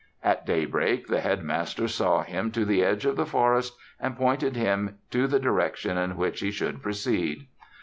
At daybreak the Headmaster saw him to the edge of the forest and pointed him to the direction in which he should proceed.